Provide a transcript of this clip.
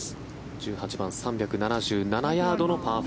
１８番３３７ヤードのパー４。